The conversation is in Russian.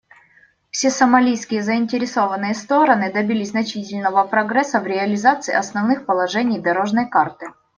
Все сомалийские заинтересованные стороны добились значительного прогресса в реализации основных положений «дорожной карты».